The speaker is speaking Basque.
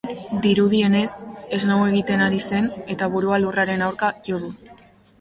Dirudienez, snow egiten ari zen, eta burua lurraren aurka jo du.